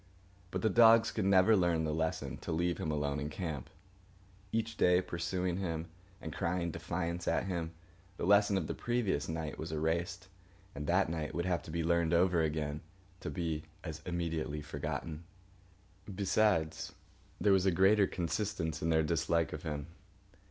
But the dogs could never learn the lesson to leave him alone in camp. Each day, pursuing him and crying defiance at him, the lesson of the previous night was erased, and that night would have to be learned over again, to be as immediately forgotten. Besides, there was a greater consistence in their dislike of him.